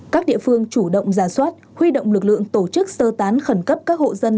các địa phương chủ động giả soát huy động lực lượng tổ chức sơ tán khẩn cấp các hộ dân